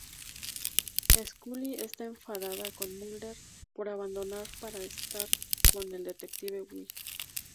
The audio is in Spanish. Scully está enfadada con Mulder por abandonarla para estar con el Detective White.